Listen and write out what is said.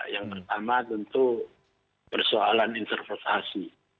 yang pertama tentu persoalan interpretasi